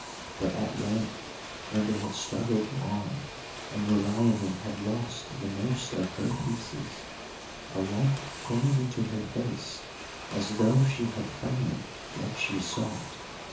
But at length, when they had struggled long, and Meriamun had lost the most of her pieces, a light came into her face as though she had found what she sought.